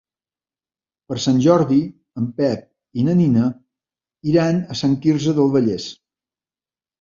Per Sant Jordi en Pep i na Nina iran a Sant Quirze del Vallès.